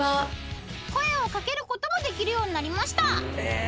［声を掛けることもできるようになりました］